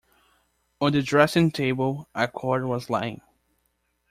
On the dressing-table a cord was lying.